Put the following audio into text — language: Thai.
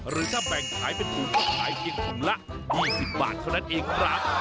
หรือถ้าแบ่งขายเป็นถุงก็ขายเพียงถุงละ๒๐บาทเท่านั้นเองครับ